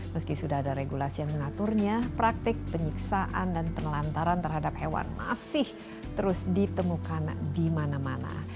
meski sudah ada regulasi yang mengaturnya praktik penyiksaan dan penelantaran terhadap hewan masih terus ditemukan di mana mana